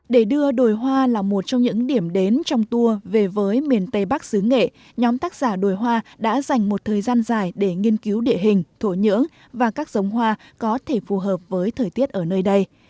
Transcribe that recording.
để đưa đồi hoa là một trong những điểm đến trong tour về với miền tây bắc xứ nghệ nhóm tác giả đồi hoa đã dành một thời gian dài để nghiên cứu địa hình thổ nhưỡng và các giống hoa có thể phù hợp với thời tiết ở nơi đây